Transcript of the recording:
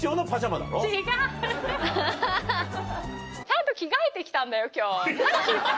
ちゃんと着替えて来たんだよ今日。